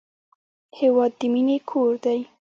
هېواد د مینې کور دی.